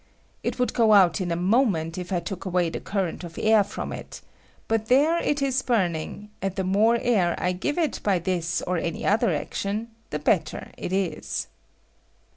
It would go out in a moment if I took away the current of air from it ; but there it ia burning, and the more air I give it by this or any other action, the better it is.